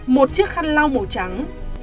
một chiếc khăn lau màu trắng